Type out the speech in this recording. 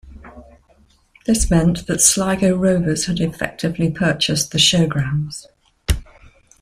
This meant that Sligo Rovers had effectively purchased the Showgrounds.